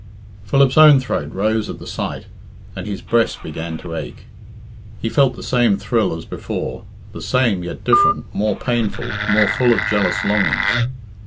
Philip's own throat rose at the sight, and his breast began to ache. He felt the same thrill as before the same, yet different, more painful, more full of jealous longing.